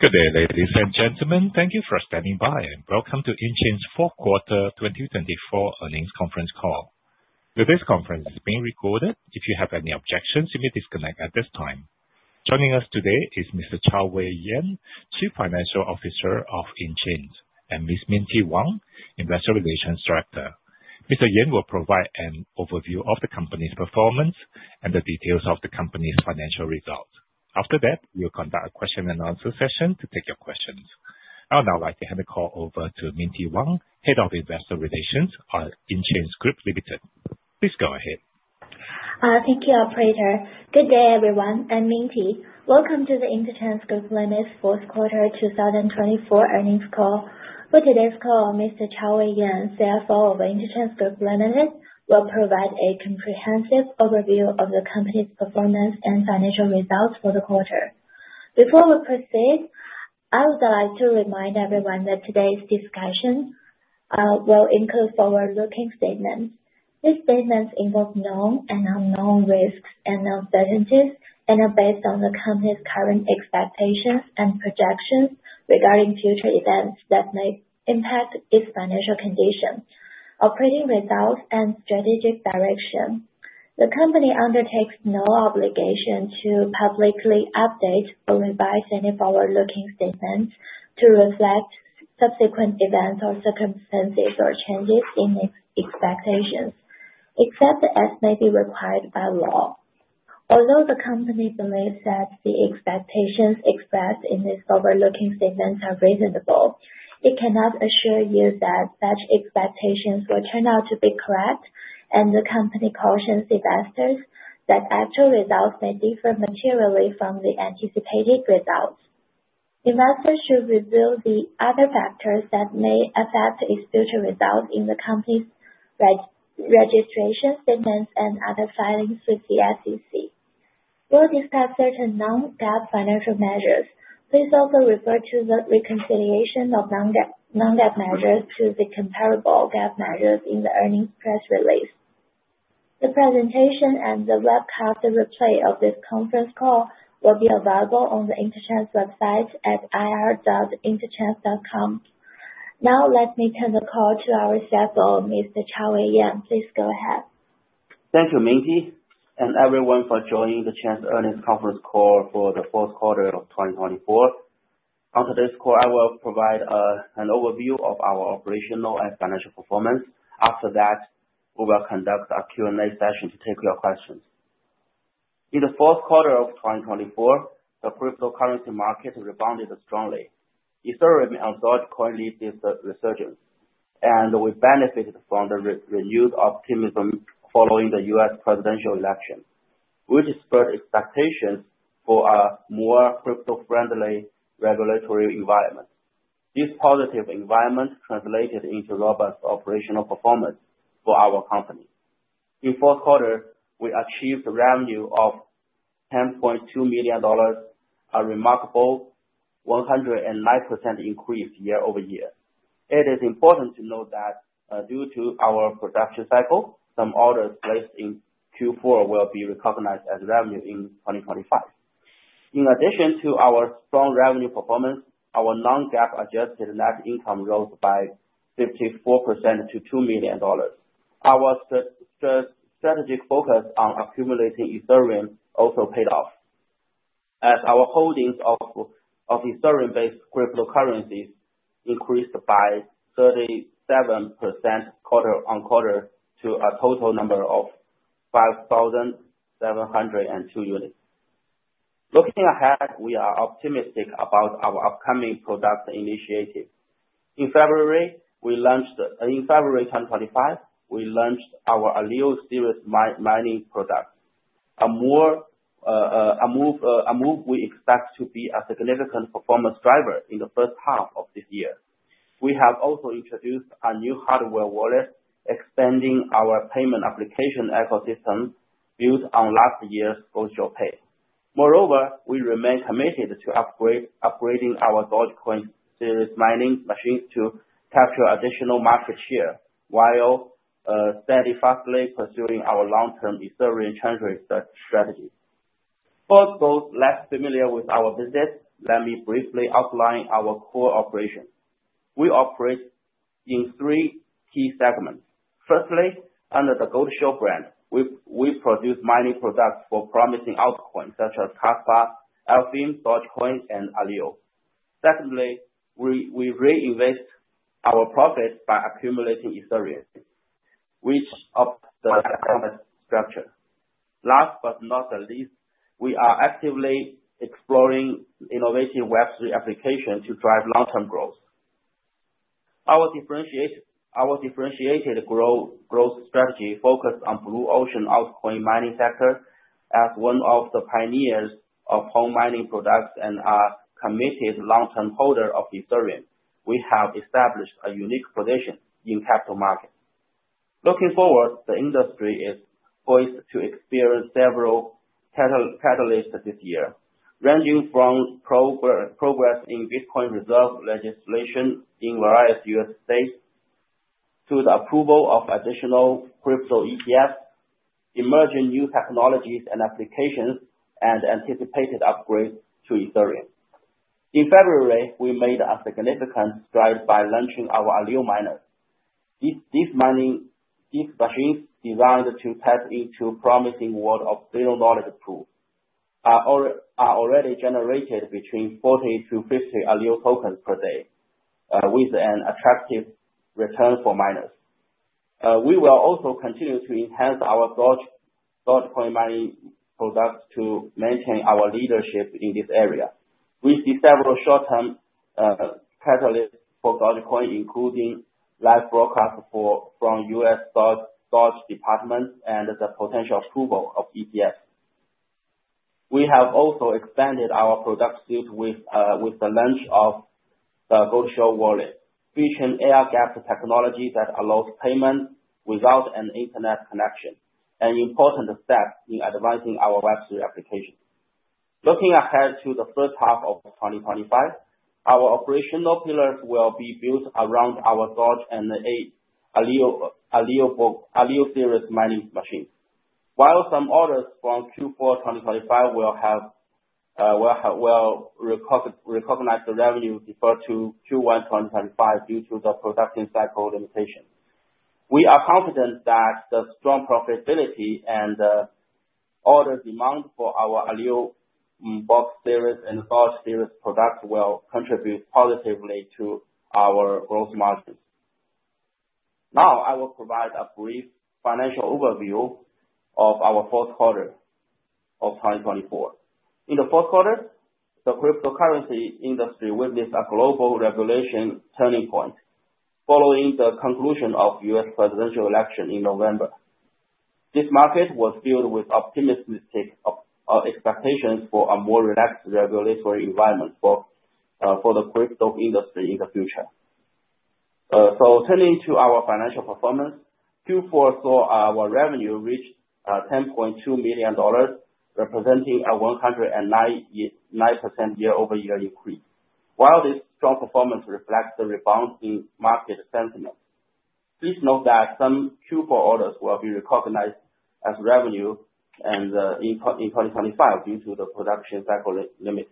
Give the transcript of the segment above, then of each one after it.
Good day, ladies and gentlemen. Thank you for standing by, and welcome to Intchains' fourth quarter 2024 earnings conference call. Today's conference is being recorded. If you have any objections, you may disconnect at this time. Joining us today is Mr. Chaowei Yan, Chief Financial Officer of Intchains, and Ms. Minty Wang, Investor Relations Director. Mr. Yan will provide an overview of the company's performance and the details of the company's financial results. After that, we'll conduct a question-and-answer session to take your questions. I would now like to hand the call over to Minty Wang, Head of Investor Relations at Intchains Group Limited. Please go ahead. Thank you, Operator. Good day, everyone. I'm Minty. Welcome to the Intchains Group Limited's Fourth Quarter 2024 earnings call. For today's call, Mr. Chaowei Yan, CFO of Intchains Group Limited, will provide a comprehensive overview of the company's performance and financial results for the quarter. Before we proceed, I would like to remind everyone that today's discussion will include forward-looking statements. These statements involve known and unknown risks and uncertainties, and are based on the company's current expectations and projections regarding future events that may impact its financial condition, operating results, and strategic direction. The company undertakes no obligation to publicly update or revise any forward-looking statements to reflect subsequent events or circumstances or changes in its expectations, except as may be required by law. Although the company believes that the expectations expressed in its forward-looking statements are reasonable, it cannot assure you that such expectations will turn out to be correct, and the company cautions investors that actual results may differ materially from the anticipated results. Investors should review the other factors that may affect its future results in the company's registration statements and other filings with the SEC. We will discuss certain non-GAAP financial measures. Please also refer to the reconciliation of non-GAAP measures to the comparable GAAP measures in the earnings press release. The presentation and the webcast replay of this conference call will be available on the Intchains website at ir.intchains.com. Now, let me turn the call to our CFO, Mr. Chaowei Yan. Please go ahead. Thank you, Minty, and everyone, for joining the Intchains Group earnings conference call for the fourth quarter of 2024. On today's call, I will provide an overview of our operational and financial performance. After that, we will conduct a Q&A session to take your questions. In the fourth quarter of 2024, the cryptocurrency market rebounded strongly. Ethereum and Dogecoin led this resurgence, and we benefited from the renewed optimism following the U.S. presidential election, which spurred expectations for a more crypto-friendly regulatory environment. This positive environment translated into robust operational performance for our company. In the fourth quarter, we achieved a revenue of $10.2 million, a remarkable 109% increase year over year. It is important to note that due to our production cycle, some orders placed in Q4 will be recognized as revenue in 2025. In addition to our strong revenue performance, our non-GAAP adjusted net income rose by 54% to $2 million. Our strategic focus on accumulating Ethereum also paid off, as our holdings of Ethereum-based cryptocurrencies increased by 37% quarter on quarter to a total number of 5,702 units. Looking ahead, we are optimistic about our upcoming product initiative. In February 2025, we launched our Aleo Series mining product, a move we expect to be a significant performance driver in the first half of this year. We have also introduced a new hardware wallet, expanding our payment application ecosystem built on last year's Virtual Pay. Moreover, we remain committed to upgrading our Dogecoin Series mining machines to capture additional market share while steadfastly pursuing our long-term Ethereum traverse strategy. For those less familiar with our business, let me briefly outline our core operations. We operate in three key segments. Firstly, under the Goldshell brand, we produce mining products for promising altcoins such as Kaspa, Alephium, Dogecoin, and Aleo. Secondly, we reinvest our profits by accumulating Ethereum, which ups the performance structure. Last but not the least, we are actively exploring innovative Web3 applications to drive long-term growth. Our differentiated growth strategy focuses on the blue ocean altcoin mining sector. As one of the pioneers of home mining products and a committed long-term holder of Ethereum, we have established a unique position in the capital market. Looking forward, the industry is poised to experience several catalysts this year, ranging from progress in Bitcoin reserve legislation in various U.S. states to the approval of additional crypto ETFs, emerging new technologies and applications, and anticipated upgrades to Ethereum. In February, we made a significant stride by launching our Aleo miners. These machines, designed to tap into the promising world of zero-knowledge proof, are already generating between 40-50 Aleo tokens per day, with an attractive return for miners. We will also continue to enhance our Dogecoin mining products to maintain our leadership in this area. We see several short-term catalysts for Dogecoin, including live broadcasts from the U.S. Doge Department and the potential approval of ETFs. We have also expanded our product suite with the launch of the Goldshell Wallet, featuring air-gapped technology that allows payment without an internet connection, an important step in advancing our Web3 application. Looking ahead to the first half of 2025, our operational pillars will be built around our Doge and Aleo Series mining machines. While some orders from Q4 2025 will recognize the revenue deferred to Q1 2025 due to the production cycle limitations, we are confident that the strong profitability and the order demand for our Aleo Box Series and Doge Series products will contribute positively to our gross margins. Now, I will provide a brief financial overview of our Fourth Quarter of 2024. In the Fourth Quarter, the cryptocurrency industry witnessed a global regulation turning point following the conclusion of the U.S. presidential election in November. This market was filled with optimistic expectations for a more relaxed regulatory environment for the crypto industry in the future. Turning to our financial performance, Q4 saw our revenue reach $10.2 million, representing a 109% year-over-year increase. While this strong performance reflects the rebound in market sentiment, please note that some Q4 orders will be recognized as revenue in 2025 due to the production cycle limits.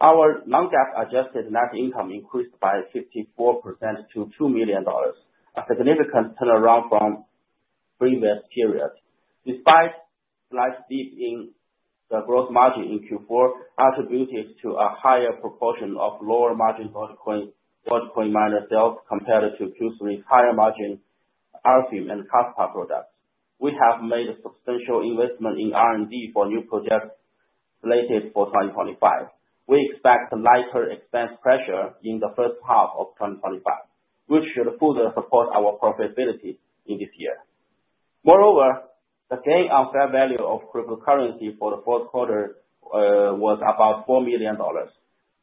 Our non-GAAP adjusted net income increased by 54% to $2 million, a significant turnaround from the previous period. Despite a slight dip in the gross margin in Q4, attributed to a higher proportion of lower-margin Dogecoin miner sales compared to Q3's higher-margin Alpheum and Kaspa products, we have made a substantial investment in R&D for new projects slated for 2025. We expect a lighter expense pressure in the first half of 2025, which should further support our profitability in this year. Moreover, the gain on fair value of cryptocurrency for the fourth quarter was about $4 million.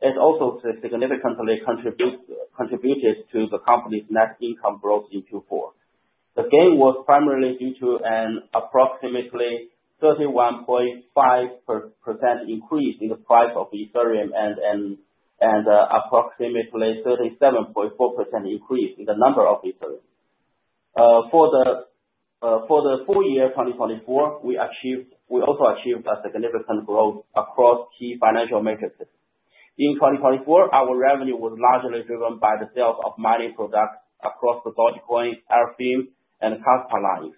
It also significantly contributed to the company's net income growth in Q4. The gain was primarily due to an approximately 31.5% increase in the price of Ethereum and an approximately 37.4% increase in the number of Ethereum. For the full year 2024, we also achieved significant growth across key financial metrics. In 2024, our revenue was largely driven by the sales of mining products across the Dogecoin, Alephium, and Kaspa lines.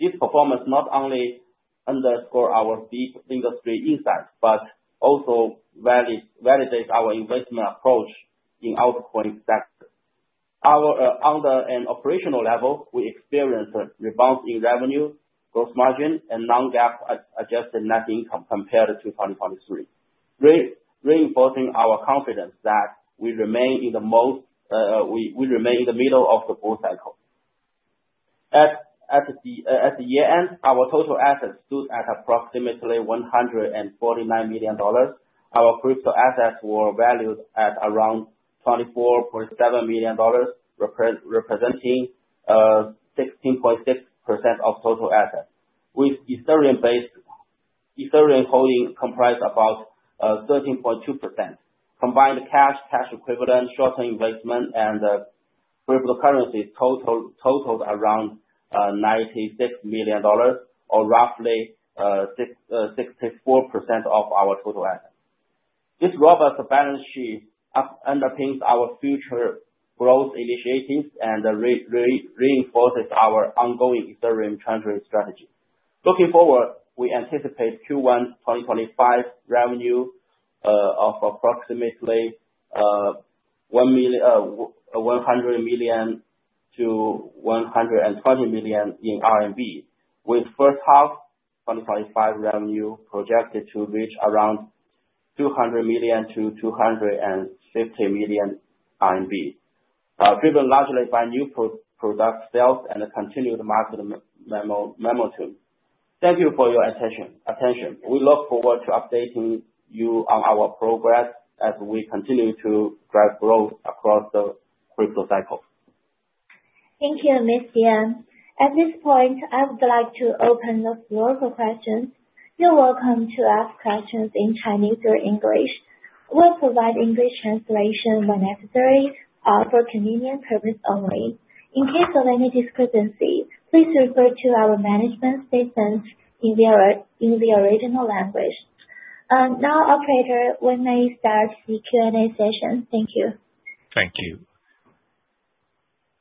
This performance not only underscores our deep industry insights but also validates our investment approach in the altcoin sector. On the operational level, we experienced a rebound in revenue, gross margin, and non-GAAP adjusted net income compared to 2023, reinforcing our confidence that we remain in the middle of the bull cycle. At the year-end, our total assets stood at approximately $149 million. Our crypto assets were valued at around $24.7 million, representing 16.6% of total assets, with Ethereum holdings comprised about 13.2%. Combined cash, cash equivalent, short-term investment, and cryptocurrencies totaled around $96 million, or roughly 64% of our total assets. This robust balance sheet underpins our future growth initiatives and reinforces our ongoing Ethereum transverse strategy. Looking forward, we anticipate Q1 2025 revenue of approximately $100 million-$120 million in R&D, with the first half of 2025 revenue projected to reach around $200 million-$250 million R&D, driven largely by new product sales and a continued market momentum. Thank you for your attention. We look forward to updating you on our progress as we continue to drive growth across the crypto cycle. Thank you, Minty Wang. At this point, I would like to open the floor for questions. You're welcome to ask questions in Chinese or English. We'll provide English translation when necessary for convenience purposes only. In case of any discrepancy, please refer to our management statements in the original language. Now, operator, we may start the Q&A session. Thank you. Thank you.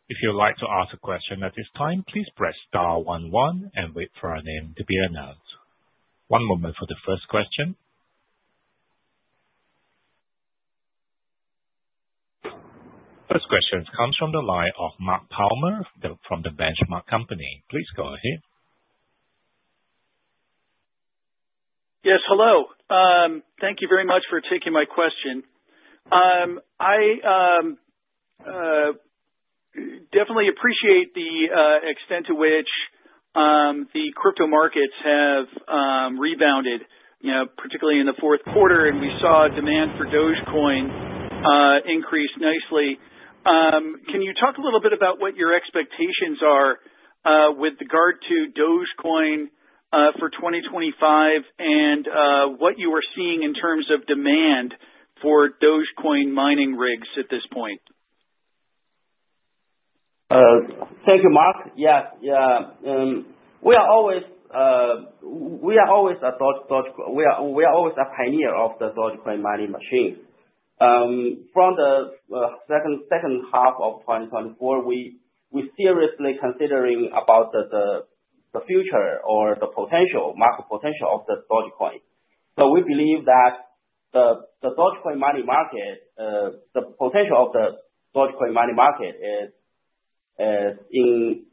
If you'd like to ask a question at this time, please press *11 and wait for your name to be announced. One moment for the first question. First question comes from the line of Mark Palmer from The Benchmark Company. Please go ahead. Yes, hello. Thank you very much for taking my question. I definitely appreciate the extent to which the crypto markets have rebounded, particularly in the fourth quarter, and we saw demand for Dogecoin increase nicely. Can you talk a little bit about what your expectations are with regard to Dogecoin for 2025 and what you are seeing in terms of demand for Dogecoin mining rigs at this point? Thank you, Mark. Yeah, we are always a Dogecoin, we are always a pioneer of the Dogecoin mining machine. From the second half of 2024, we're seriously considering the future or the potential, market potential of the Dogecoin. We believe that the Dogecoin mining market, the potential of the Dogecoin mining market, is in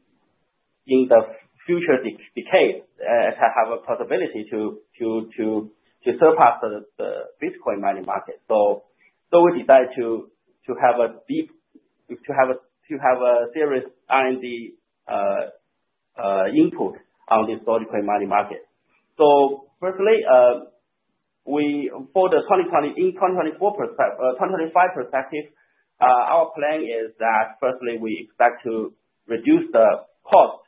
the future decade to have a possibility to surpass the Bitcoin mining market. We decided to have a deep, to have a serious R&D input on this Dogecoin mining market. Firstly, for the 2024 perspective, our plan is that firstly, we expect to reduce the cost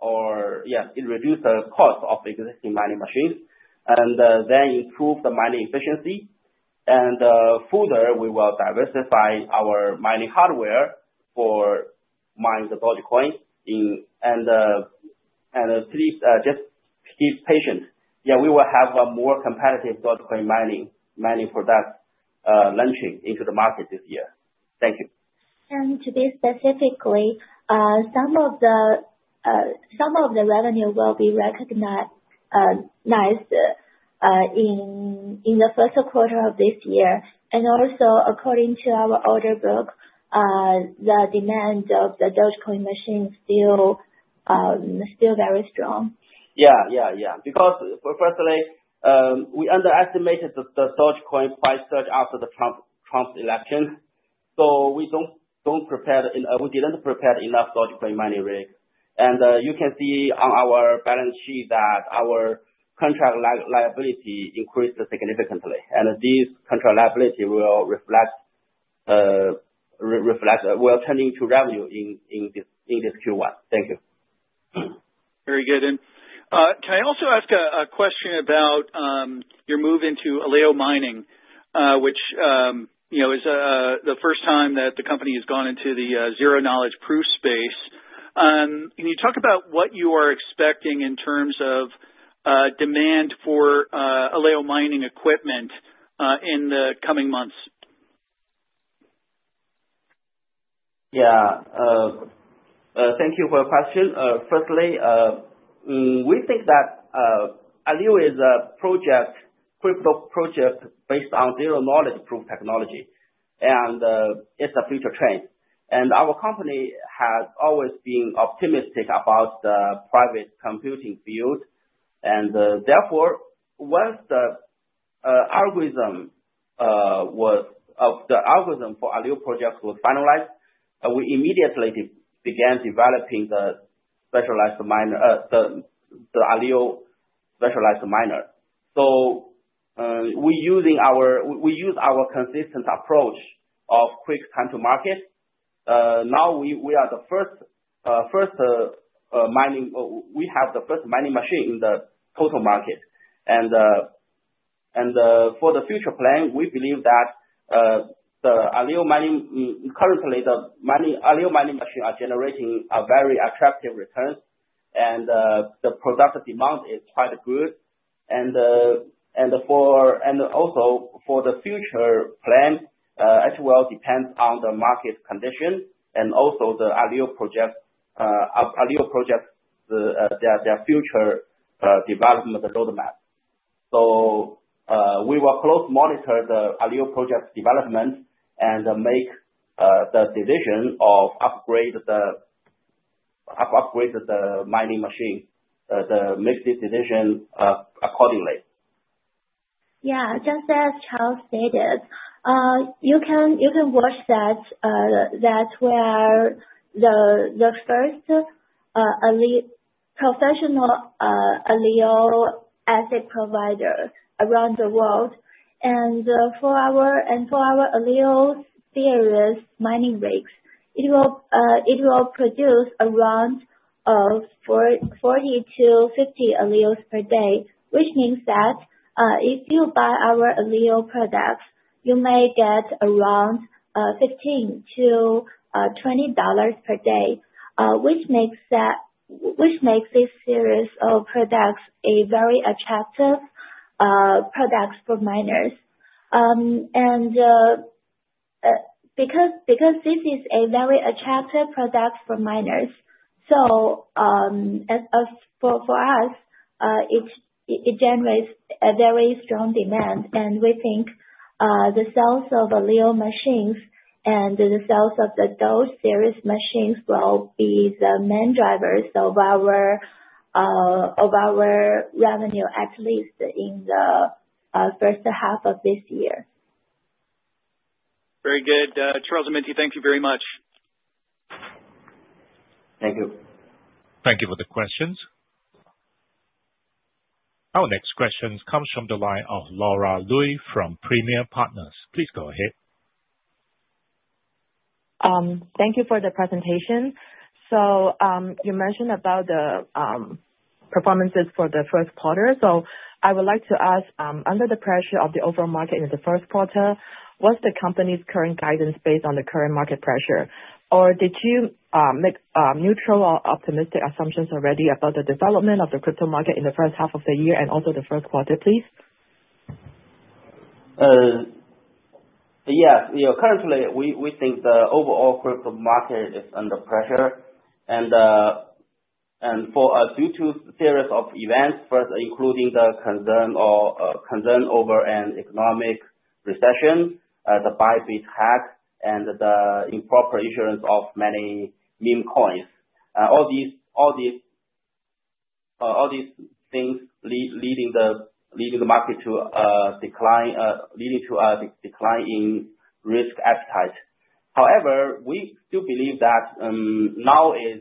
or, yeah, reduce the cost of existing mining machines and then improve the mining efficiency. Further, we will diversify our mining hardware for mining the Dogecoin. Please just keep patient. Yeah, we will have a more competitive Dogecoin mining product launching into the market this year. Thank you. To be specific, some of the revenue will be recognized in the first quarter of this year. Also, according to our order book, the demand of the Dogecoin machine is still very strong. Yeah, yeah, yeah. Because firstly, we underestimated the Dogecoin price surge after the Trump election. We did not prepare enough Dogecoin mining rigs. You can see on our balance sheet that our contract liability increased significantly. This contract liability will reflect, will turn into revenue in this Q1. Thank you. Very good. Can I also ask a question about your move into Aleo mining, which is the first time that the company has gone into the zero-knowledge proof space? Can you talk about what you are expecting in terms of demand for Aleo mining equipment in the coming months? Yeah. Thank you for your question. Firstly, we think that Aleo is a project, crypto project based on zero-knowledge proof technology, and it's a future trend. Our company has always been optimistic about the private computing field. Therefore, once the algorithm for Aleo project was finalized, we immediately began developing the specialized miner, the Aleo specialized miner. We use our consistent approach of quick time to market. Now we have the first mining machine in the total market. For the future plan, we believe that the Aleo mining, currently the Aleo mining machine are generating very attractive returns, and the product demand is quite good. Also for the future plan, it will depend on the market condition and also the Aleo project, Aleo project, their future development roadmap. We will closely monitor the Aleo project development and make the decision of upgrade the mining machine, make the decision accordingly. Yeah. Just as Chaowei stated, you can watch that we are the first professional Aleo asset provider around the world. For our Aleo series mining rigs, it will produce around 40-50 Aleos per day, which means that if you buy our Aleo products, you may get around $15-$20 per day, which makes this series of products a very attractive product for miners. Because this is a very attractive product for miners, for us, it generates a very strong demand. We think the sales of Aleo machines and the sales of the Doge series machines will be the main drivers of our revenue, at least in the first half of this year. Very good. Chaowei and Minty, thank you very much. Thank you. Thank you for the questions. Our next question comes from the line of Laura Lui from Premia Partners. Please go ahead. Thank you for the presentation. You mentioned about the performances for the first quarter. I would like to ask, under the pressure of the overall market in the first quarter, what's the company's current guidance based on the current market pressure? Did you make neutral or optimistic assumptions already about the development of the crypto market in the first half of the year and also the first quarter, please? Yes. Currently, we think the overall crypto market is under pressure. Due to a series of events, including the concern over an economic recession, the Bybit hack, and the improper issuance of many meme coins, all these things are leading the market to decline, leading to a decline in risk appetite. However, we still believe that now is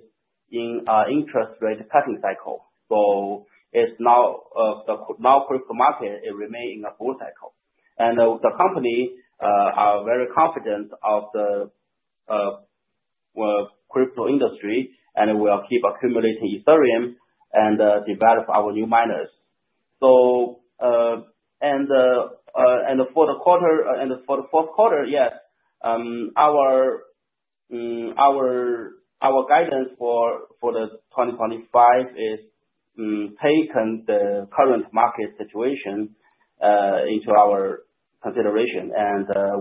an interest rate cutting cycle. The crypto market remains in a bull cycle. The company is very confident of the crypto industry and will keep accumulating Ethereum and develop our new miners. For the quarter and for the fourth quarter, yes, our guidance for 2025 is taking the current market situation into our consideration.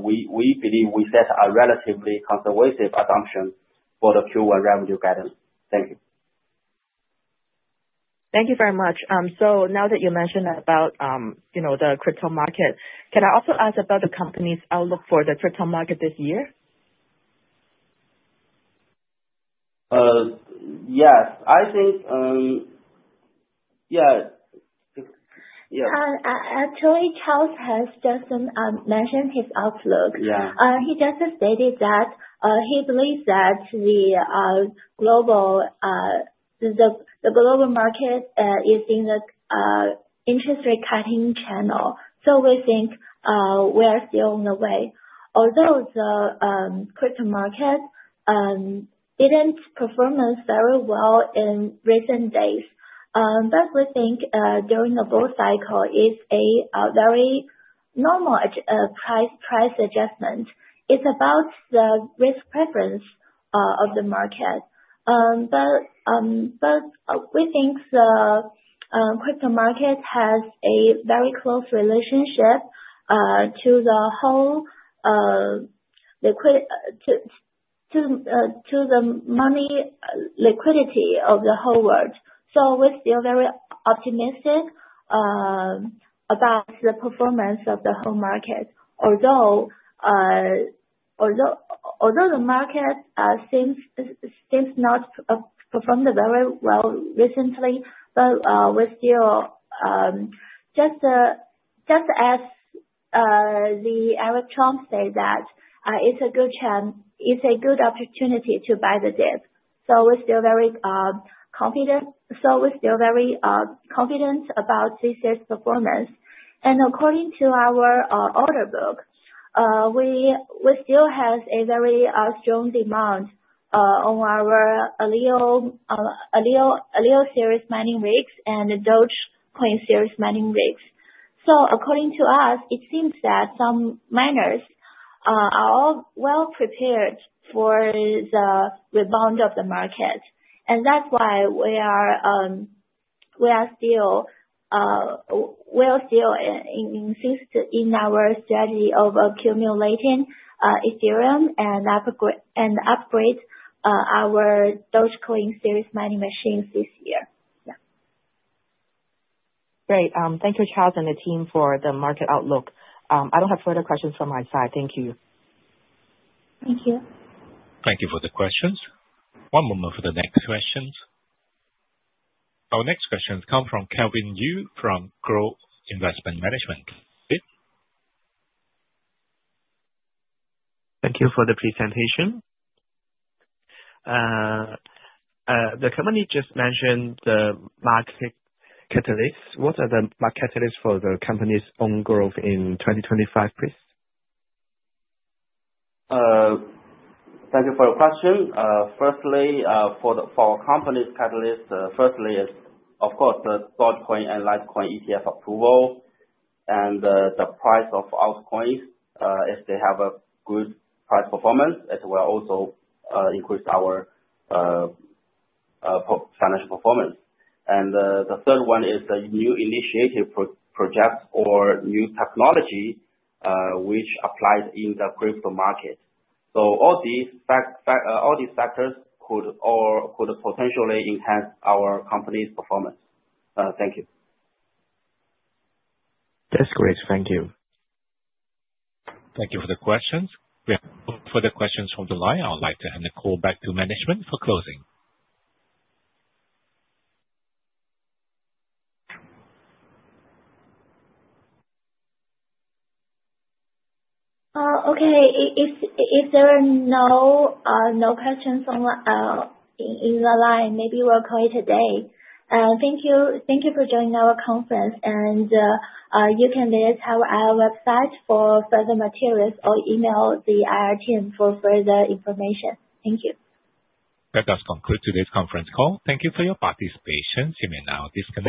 We believe we set a relatively conservative assumption for the Q1 revenue guidance. Thank you. Thank you very much. Now that you mentioned about the crypto market, can I also ask about the company's outlook for the crypto market this year? Yes. I think, yeah. Actually, Chaowei has just mentioned his outlook. He just stated that he believes that the global market is in the interest rate cutting channel. We think we are still on the way. Although the crypto market didn't perform very well in recent days, we think during the bull cycle, it's a very normal price adjustment. It's about the risk preference of the market. We think the crypto market has a very close relationship to the whole money liquidity of the whole world. We're still very optimistic about the performance of the whole market. Although the market seems not to have performed very well recently, we're still just as Eric Trump said that it's a good opportunity to buy the dip. We're still very confident. We're still very confident about this year's performance. According to our order book, we still have a very strong demand on our Aleo series mining rigs and Dogecoin series mining rigs. According to us, it seems that some miners are well prepared for the rebound of the market. That is why we are still in our strategy of accumulating Ethereum and upgrade our Dogecoin series mining machines this year. Yeah. Great. Thank you, Chaowei and the team, for the market outlook. I do not have further questions from my side. Thank you. Thank you. Thank you for the questions. One moment for the next questions. Our next questions come from Kelvin Yu from Group Investment Management. Please. Thank you for the presentation. The company just mentioned the market catalysts. What are the market catalysts for the company's own growth in 2025, please? Thank you for your question. Firstly, for our company's catalysts, firstly is, of course, the Dogecoin and Litecoin ETF approval and the price of altcoins. If they have a good price performance, it will also increase our financial performance. The third one is the new initiative projects or new technology which applies in the crypto market. All these factors could potentially enhance our company's performance. Thank you. That's great. Thank you. Thank you for the questions. We have no further questions from the line. I would like to hand the call back to management for closing. Okay. If there are no questions in the line, maybe we'll call it a day. Thank you for joining our conference. You can visit our website for further materials or email the IR team for further information. Thank you. That does conclude today's conference call. Thank you for your participation. You may now disconnect.